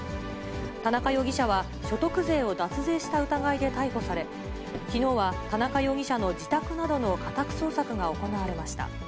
田中容疑者は、所得税を脱税した疑いで逮捕され、きのうは田中容疑者の自宅などの家宅捜索が行われました。